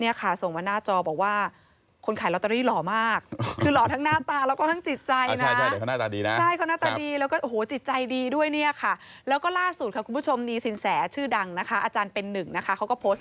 นี้ค่ะส่งมาหน้าจอบอกว่าคนขายล็อตเตอรี่หรอมาก